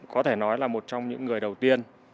có thể nói là một trong những người đầu tiên